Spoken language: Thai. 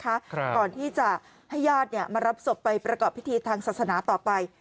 ก่อนที่จะให้ญาติเนี่ยมารับศพไปประกอบพิธีทางศาสนาต่อไป